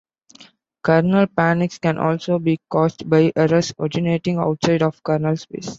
Kernel panics can also be caused by errors originating outside of kernel space.